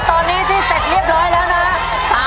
ตอนนี้ที่เสร็จเรียบร้อยแล้วนะ